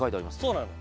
そうなの。